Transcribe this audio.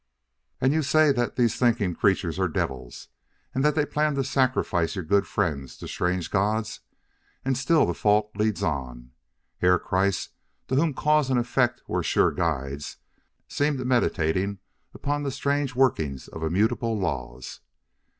"And you say that these thinking creatures are devils, and that they plan to sacrifice your good friends to strange gods; and still the fault leads on." Herr Kreiss, to whom cause and effect were sure guides, seemed meditating upon the strange workings of immutable laws.